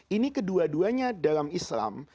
ini kedua duanya dalam islam